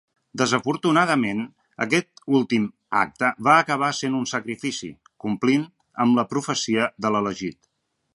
Desafortunadament, aquest últim acte va acabar sent un sacrifici, complint amb la profecia de l'Elegit.